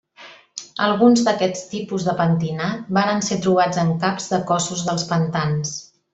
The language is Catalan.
Alguns d'aquests tipus de pentinat varen ser trobats en caps de cossos dels pantans.